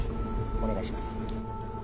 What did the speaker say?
お願いします。